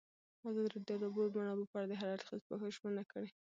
ازادي راډیو د د اوبو منابع په اړه د هر اړخیز پوښښ ژمنه کړې.